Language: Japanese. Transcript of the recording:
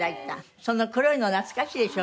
その黒いの懐かしいでしょ？